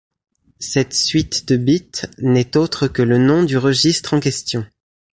Cette suite de bits n'est autre que le nom du registre en question.